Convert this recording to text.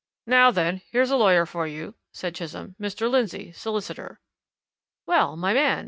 "Now, then, here's a lawyer for you," said Chisholm. "Mr. Lindsey, solicitor." "Well, my man!"